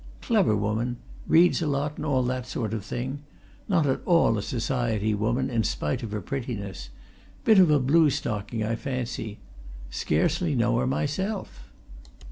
Clever woman reads a lot and all that sort of thing. Not at all a society woman, in spite of her prettiness bit of a blue stocking, I fancy. Scarcely know her myself."